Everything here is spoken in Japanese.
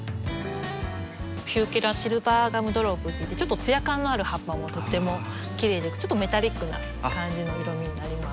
ヒューケラシルバーガムドロップといってちょっと艶感のある葉っぱもとってもきれいでちょっとメタリックな感じの色みになります。